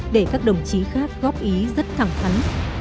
để các đồng chí khác góp ý rất thẳng thắn